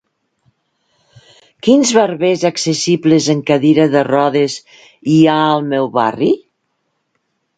Quins barbers accessibles en cadira de rodes hi ha al meu barri?